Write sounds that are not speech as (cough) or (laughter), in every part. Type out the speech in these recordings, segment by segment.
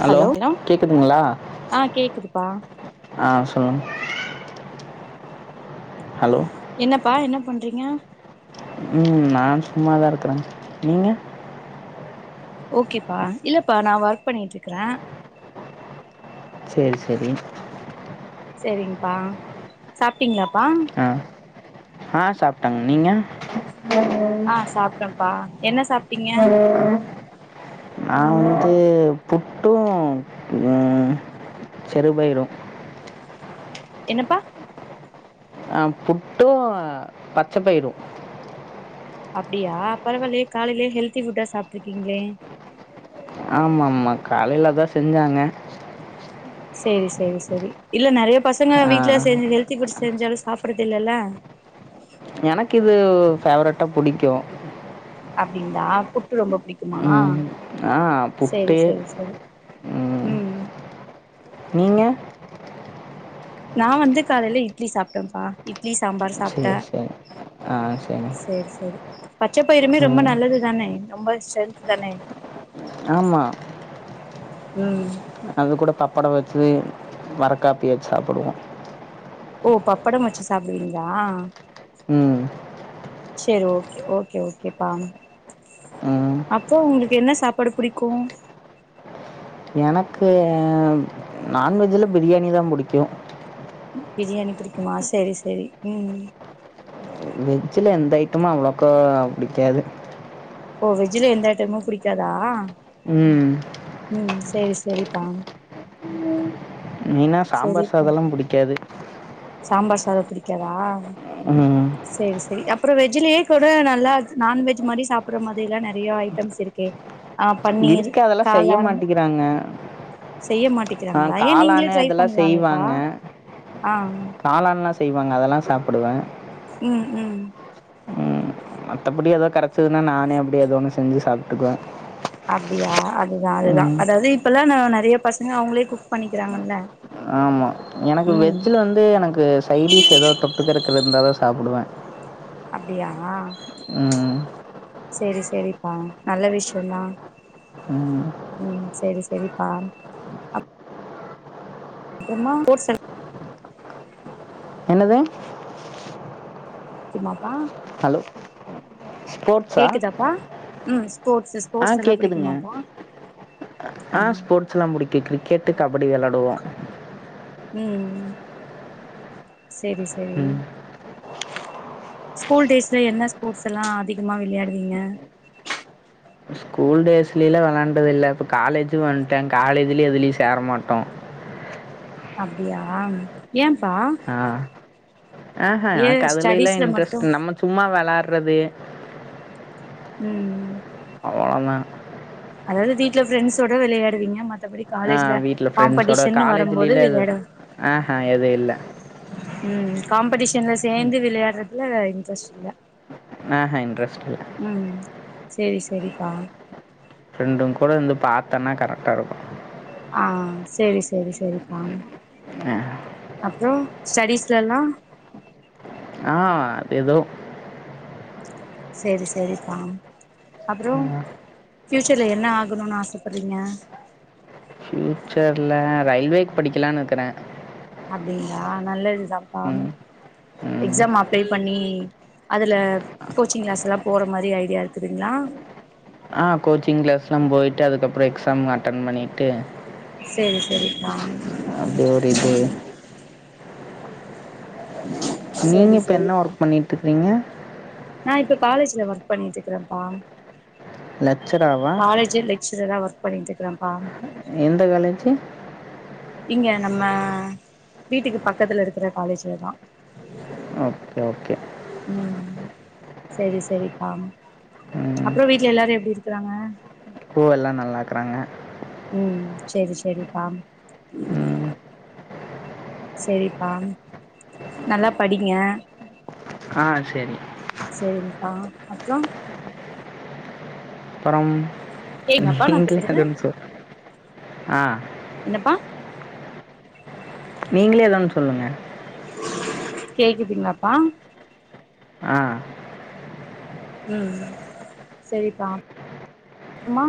Hello கேக்குதுங்ளா ஆ கேக்குதுப்பா ஆ சொல்லுங் ஹலோ என்னப்பா என்ன பண்றீங்க ம் நா சும்மாதா இருக்றே நீங்க ஓகேப்பா இல்லப்பா நா ஒர்க் பண்ணிட்டுக்கிறே சேரி செரி செரிங்பா சாப்ட்டீங்ளாபா அ ஆ சாப்ட்டேங் நீங்க பா என்ன சாப் நா வந்து புட்டூ ம் சிறுபயிறூ என்னப்பா ஆ புட்டூ பச்ச பயிறூ அப்டியா பரவால்லே காலைலே ஹெல்தி ஃபுட்டா சாப்ட்ருக்கீங்ளே ஆமாமா காலையில அதா செஞ்சாங்க சேரி செரி செரி இல்ல நெறைய பசங்க ஆ, வீட்ல செஞ்ச ஹெல்தி ஃபுட்ஸ் செஞ்சாலு சாப்றதில்லேல எனக்கு இது ஃபேவ்ரெட்டா புடிக்கூ அப்டிங்களா புட்டு ரொம்ப புடிக்குமா ம், ஆ சேரி புட்டு செரி செரி ம் நீங்க நா வந்து காலைல இட்லி சாப்ட்டேம்பா இட்லி சாம்பாரு சரி சாப்ட்டே சரி ஆ சரி செரி செரி பச்சப்பயறுமே ரொம்ப ம் நல்லதுதானே ரொம்ப ஸ்ட்ரென்த்து தானே ஆமா ம் அது கூட பப்படோ வச்சு வரக்காப்பி வச் சாப்புடுவே ஓ பப்படம் வச்சு சாப்டுவீங்ளா ம் செரி ஓகே ஓகே ஓகேப்பா ம் அப்போ உங்குளுக்கு என்ன சாப்பாடு புடிக்கூ எனக்கு நான்வெஜ்ல பிரியாணி தா புடிக்கூ பிரியாணி புடிக்குமா செரி செரி ம் வெஜ்ல எந்த ஐட்டமு அவளக்கா புடிக்காது ஓ வெஜ்ல எந்த ஐட்டமு புடிக்காதா ம் ம் சேரி செரிப்பா மெயினா சாம்பார் சாதோல்லா புடிக்காது சாம்பார் சாதோ பிடிக்காதா ம் சேரி செரி அப்றோ வெஜ்லயே கூட நல்லா நான்வெஜ் மாரி சாப்புட்ற மாத்ரிலா நெறைய ஐட்டம்ஸ் இருக்கே ஆ பன்னீர் இருக்கு அதெல்லாம் செய்ய காளான் மாட்டேங்கிறாங்க செய்ய ஆ மாட்டிக்கிறாங்ளா ஏ நீங்களே காளான் ட்ரை இதெல்லாம் பண்லாலேப்பா ஆ காளான்லா செய்வாங்க அதெல்லா சாப்பிடுவே ம் ம் மத்தபடி எதோ கெடைச்சதுன்னா நானே அப்டி ஏதோ ஒன்னு செஞ்சு சாப்ட்டுக்குவே அப்டியா அதுதா அதுதா அதாவ்து இப்பல்லா நா நெறைய பசங்க அவுங்களே குக் பண்ணிக்கிறாங்கல்ல ஆமா. எனக்கு ம் வெஜ்ல வந்து எனக்கு சைடிஷ் எதா தொட்டுக்றதுக்கு இர்ந்தா தா சாப்புடுவே அப்டியா உம் செரி செரிப்பா நல்ல விஷயோந்தா ம். உம் செரி செரிப்பா அப்றமா போர்செல் என்னது? சும்மாப்பா ஹலோ! ஸ்போர்ட்ஸா? கேக்குதாப்பா உம் ஆ கேக்குதுங்க ஆ ஸ்போர்ட்ஸ் எல்லா புடிக்கு கிரிக் கேட்டு கபடி வெளாடுவோ உம் செரி செரி ம். ஸ்கூல் டேஸ்ல என்ன ஸ்போர்ட்ஸ் எல்லா அதிகமா வெளயாடுவீங்க ஸ்கூல் டேஸ்லில்லா வெளாண்டது இல்ல இப்ப காலேஜியு வண்ட்ட காலேஜிலேயு எதுலயு சேர மாட்டோ அப்டியா ஏன்பா அஹ எனக்கு அதலில்லா இன்ட்ரெஸ்ட் நம்ம சும்மா வெளாடுறது உம் போவே அதாது வீட்ல பிரெண்ட்ஸோட விளையாடுவீங்க மத் தபடி ஆ காலேஜ்ல வீட்ல ஃப்ரெண்ட்ஸோட காம்படிஷன் வரும்போது காலேஜ்லலாம் எதுவும் வெளையாட ஆஹா எதுவும் இல்ல. உம் காம்படிஷன்ல சேந்து விளையாடுறதுல இன்ட்ரெஸ்ட் இல்ல அஹ இன்ட்ரஸ்ட் உம் சேரி சேரிப்பா ப்ரெரெண்டுங் கூட இருந்து பாத்தன்னா கரெக்டா இருக்கு ஆ செரி செரி செரிப்பா அப்றோ ஸ்டேடிஸ்ல எல்லா ஆ அது ஏதோ செரி செரிப்பா அப்றோ பியூச்சர்ல என்ன ஆகணுன் ஆசப்பறீங்க ஃப்யூச்சர்ல ரயில்வேக்கு படிக்கலானு இருக்குற அப்டிங்ளா நல்லதுதாப்பா ம் எக்ஸாம் அப்லே பண்ணி அதுல கோச்சிங் க்ளாஸ் எல்லா போற மாரி ஐடியா இருக்குதுங்களா ஆ கோச்சிங் க்ளாஸ் எல்லா போய்ட்டு அதுக்கப்புறோ எக்ஸாம் அட்டன் பண்ணிட்டு செரி செரிப்பா அப்டி ஒரு இது நீங்க செரி இப்ப என்ன செரிப்பா ஒர்க் பண்ணிட்டு இருக்குறீங்க நா இப்ப காலேஜ்ல ஒர்க் பண்ணிட்டு இருக்கறேப்பா லெக்சராவா காலேஜ் லெக்சரரா ஒர்க் பண்ணிட்டு இருக்கப்பா எந்த காலேஜ்ஜ இங்க நம்ம வீட்டுக்கு பக்கத்துல இருக்கற காலேஜ்லதா ஓகே ஓகே உம் செரி செரிப்பா அப்புறோ வீட்ல எல்லாரு எப்டி இருக்குறாங்க பூவெல்லா நல்லாக்குறாங்க உம் செரி செரிப்பா ம் செரிப்பா நல்லா படிங்க ஆ செரி செரிங்கப்பா அப்றோ அப்றோம் கேக்குதாப்பா நா நீங்களே பேசுறது அதெ ஒன் சொல்ங் ஆ என்னப்பா நீங்களே ஏதா ஒன்னு சொல்லுங்க கேக்குதுங்களாப்பா ஆ ம் சேர்ப்பா மா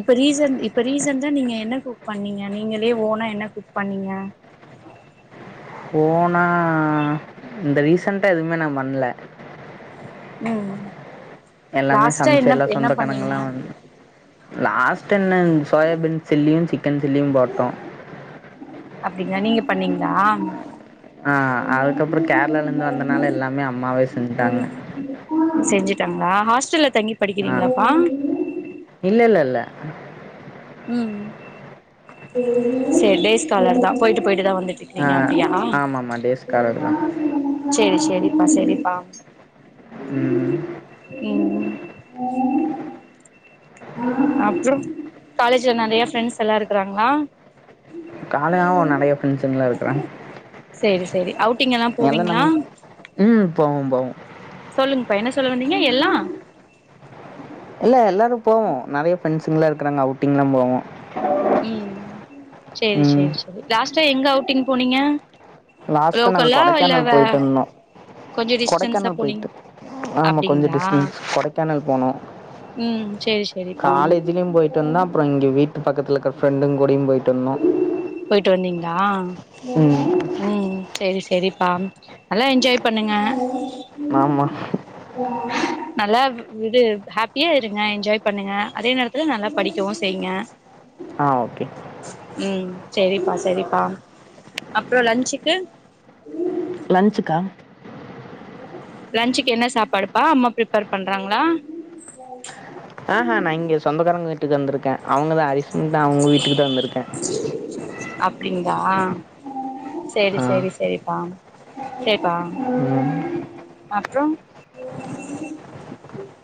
இப்ப ரீசன் இப்ப ரீசன்டா நீங்க என்ன குக் பண்ணீங்க நீங்களே ஓனா என்ன குக் பண்ணீங்க ஹு போனா இந்த ரீசன்டா எதுமே நா பண்ல ம் எல்லாமே லாஸ்டா சமைச்சு என்னப் எல்லாம் என்ன பண்ணீங்க ட நன் சோயாபீன் சில்லியு சிக்கன் சில்லியு சாப்டோ அப்டிங்ளா நீங்க பண்ணீங்ளா அ அதுக்கப்புறோ கேரளாலந்து வந்தனால எல்லாமே அம்மாவே செஞ்சிட்டாங்க செஞ்சிட்டாங்ளா ஹாஸ்டல்ல தங்கி படிக்கிறீங்ளாப்பா இல்ல இல்ல இல்ல ம் சேரி டேஸ்காலர் தா போயிட்டு போயிட்டு தா வந் ஆ துக்குட்றீங்க அப்டியா ஆமாம்மா டேஸ் காலர் தான் சேரி சேரிப்பா செரிப்பா ம் ம் அப்றோ காலேஜ்ல நெறைய ஃப்ரெண்ட்ஸ் எல்லா‌ இருக்குறாங்ளா காலையாவோ நெறைய ஃப்ரெண்ஸ்சுங்கல்லா இருக்குறாங்க சேரி சேரி அவுட் எல்லா நம் ம் போவோ போவோ சொல்லுங் பா என்ன சொல்ல வந்தீங்க எல்லா இல்ல எல்லாரு போவோ நெறைய ஃப்ரெண்ட்சுங்கல்லா இருக்குறாங்க அவுட்டிங்லா போவோ ம் சேரி சேரி சேரி லாஸ்டா எங்க அவுட்டிங் போனீங்க லாஸ்டா நாங்க லோக்கல்லா இல்ல கொடைக்கேனல் வே போய்ட்டுந்தோ கொஞ்சோ டிஸ்டன்ஸா கொடைக்கேனல் போனீங் போய்ட்டு ஆமா கொஞ்சோ அப்டிங்ளா டிஸ்டன்ஸ் கொடைக்கேனல் போனோ ம் சேர்ச் காலேஜ்லயு போயிட்டு வந்த அப்புறோ இங்க வீட்டு பக்கத்துலருக்க ஃப்ரெண்டுங்கூடயு போயிட் போயிட்டு வந்தீங்ளா ம் ம் சேரி சேரிப்பா நல்லா என்ஜாய் பண்ணுங்க ஆமா ஓ நல்லா இது ஹாப்பியா இருங்க என்ஜாய் பண்ணுங்க அதே நேரத்துல நல்லா படிக்கவு செய்ங்க அ ஒகே ம் சேரிப்பா செரிப்பா அப்புறம் லன்ச்சிக்கு லன்ச்சிக்கா லன்ச்சிக்கு என்ன சாப்பாடுப்பா அம்மா ப்ரிப்பர் பண்றாங்ளா அ ஹ நா இங்க சொந்தக்காரங்க வீட்டுக்கு வந்திருக்க அவுங்கதா அரிஷ்மிதா அவுங்க வீட்டுக்கு தா வந்திருக்கே அப்டிங்ளா சேரி ஆ சேரி சேரிப்பா சேர்ப்பா ம் அப்புறம்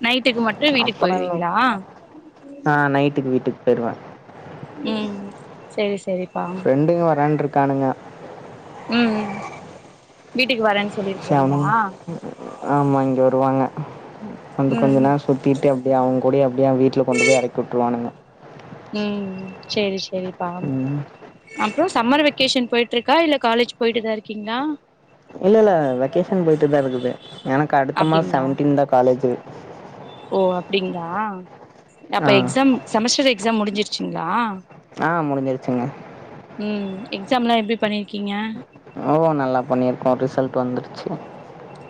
நைட்டுக்கு மட் அப்புறன்னு அ நைட்டுக்கு வீட்டுக்கு போயிருவ ம் சேரி செரி ம் ஃப்ரெண்டுங்க வரண்ருக்கானுங்க ம் வீட்டுக்கு வரேன் சே அவுனுங் ஆமா இங்க வருவாங்க கொஞ்ச கொஞ்ச ம் நேர் சுத்திட்டு அப்டியே அவங்கூடயே அப்டியா வீட்டுல கொண்டு போய எறக்குட்டுருவானுங்க ம் சேரி சேரிப்பா ம் அப்புறம் சம்மர் வெக்கேஷன் போயிட்ருக்கா இல்ல காலேஜ் போயிட்டுதா இருக்கீங்ளா இல்ல இல்ல வெக்கேஷன் போயிட்டு தா இருக்குது எனக்கு அடுத்த மாஸ் செவன்டீன் தா காலேஜு ஒ அப்டிங்ளா ஆ அப்ப எக்ஸாம் செமஸ்டர் எக்ஸாம் முடிஞ்சிருச்சிங்ளா அ முடிஞ்சிருச்சிங்க ம் எக்ஸாம்லா எப்புடி பண்ணிருக்கீங்க அ, ஓ நல்லா பண்ணியிருக்கோ ரிசல்ட் வந்துருச்சி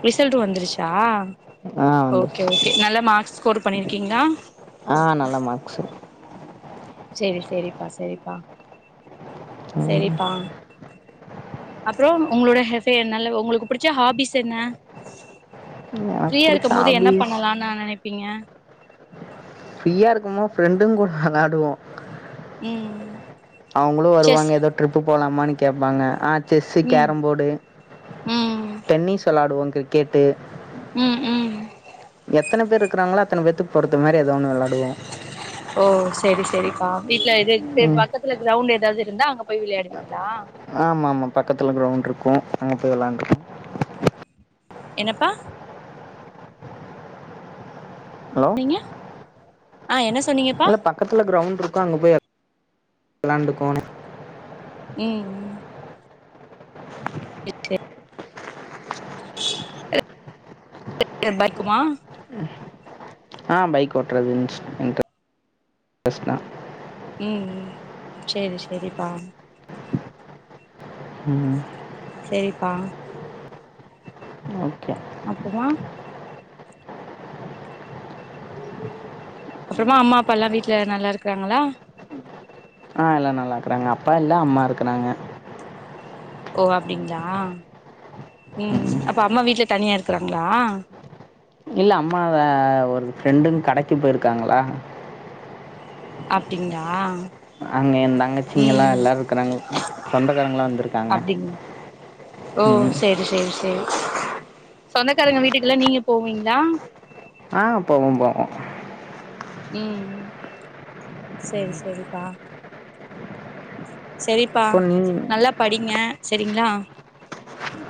ரிசல்டு வந்துருச்சா ஆ ஓகே வந்துருச்சு ஓகே நல்லா மார்க் ஸ்கோர் பண்ணிருக்கீங்களா ஆ, நல்லா மார்க்ஸு சேரி சேரிப்பா சேரிப்பா சேரிப்பா அப்றோ உங்ளோட ஹெஃபே நல்ல உங்களுக்கு புடிச்ச ஹாபிஸ் என்ன எனக்கு ஃப்ரீயா பிடிச்ச இருக்கு போது என்னா ஹாபீஸ் பண்ணலான்னு ந நெனப்பீங்க. ஃப்ரீயா இருக்குமோ ஃப்ரெண்டுங் கூட வெளாடுவோ ம் அவ்ங்களு செஸ் வருவாங்க ஏதோ ட்ரிப்புப் போலாமான்னு கேப்பாங்க ஆ செஸ்ஸு ம் கேரம் போடு ம் டென்னிஸ் வெளாடுவோ கிரிக் கெட்டு ம் ம் எத்தன பேர்ருக்குறாங்களோ அத்தன பேத்துக்கு பொறுத்த மாரி எதோ ஒன்னு வெளாடுவோ. சேரி சேரிப்பா வீட்ல எது சேர் பக்கத்துல கிரௌண்டு ஏதாவ்து இருந்தா அங்க போய் விளையாடுவீங்களா ஆமாமா பக்கத்துல கிரௌண்ட்ருக்கு அங்க போய் விளாண்ட் (inaudible) என்னப்பா நீங்க ஆ என்னஸ் இல்ல பக்கத்துல கிரௌண்ட்ருக்கு அங்க போய் வெளாண்டுக்கோன்னு ம் ம் (inaudible) (inaudible) மா ஆ, பைக் ஓட்றது (unintelligible) உம் ம் சேரி சேரிப்பா உம் சேரிப்பா ஓகே அப்பமா அப்புறமா அம்மா அப்பா எல்லா வீட்ல நல்லா இருக்குறாங்களா ஆ, எல்லா நல்லாக்கறாங்க அப்பா இல்ல அம்மா இருக்கறாங்க ஓ அப்டிங்ளா உம் அப்ப அம்மா வீட்டுல தனியா இருக்குறாங்ளா இல்ல அம்மா வெ ஒரு ஃப்ரெண்டுன் கடக்கி போய்ருக்காங்களா அப்டிங்ளா அங்க ஏன் தங்கச்சிங்கெல்லா எல்லாருக்குறாங்க ம், சொந்தக்காரங்கெல்லா வந்திருக்காங்க அப்டிங்களா ஓ ம் செரி செ சேர் சொந்தக்காரங்க வீட்டுக்கெல்லா நீங்க போவீங்ளா ஆ, போவோ போவோ ம்ம் சேரி சேரிப்பா செரிப்பா இப்போ நீ நல்லா படிங்க செரிங்களா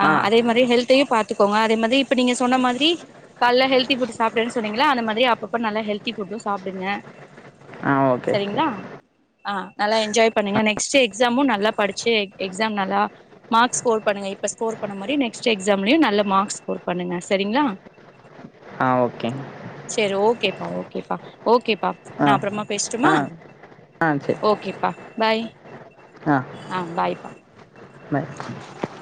ஆ அதே மாரி ஹெல்த் தியு பாத்துக்கோங்க அதே மாதி இப்ப நீங்க சொன்ன மாதிரி கால்ல ஹெல்தி புட் சாப்டுவேனு சொன்னீங்ள அந்த மாதிரி அப்பப்ப நல்லா ஹெல்தி ஃபுட்டு சாப்டுங்க ஆ ஓகே ஓகே செரிங்ளா ஆ நல்லா என்ஜாய் பண்ணுங்க நெக்ஸ்டு எக்ஸாமு நல்லா படிச்சி எக் எக்ஸா நல்லா மார்க்ஸ் ஸ்கோர் பண்ணுங்க இப் இப்ப ஸ்கோர் பண்ணா மாரி நெக்ஸ்ட் எக்ஸாம்லியு நல்ல மார்க்ஸ் ஸ்கோர் பண்ணுங்க செரிங்ளா ஓகேங் ஓகேப்பா ஓகேப்பா ஓகேப்பா ஆ நா அப்புறமா பேஸ்ட்டுமா ஆ ஆ சரி ஓகேப்பா பாய் ஆ பாய்ப் பாய்